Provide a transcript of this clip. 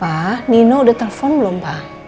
pa nino udah telepon belom pak